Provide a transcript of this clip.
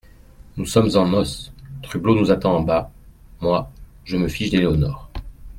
Nous sommes en noce, Trublot nous attend en bas … Moi, je me fiche d'Éléonore.